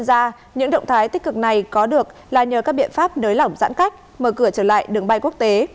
ngoài ra những động thái tích cực này có được là nhờ các biện pháp nới lỏng giãn cách mở cửa trở lại đường bay quốc tế